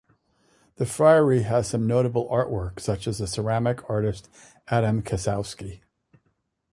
The friary has some notable artwork such as the ceramic artist Adam Kossowski.